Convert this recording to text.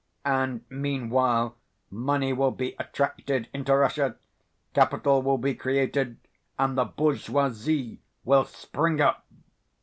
And meanwhile money will be attracted into Russia, capital will be created and the bourgeoisie will spring up.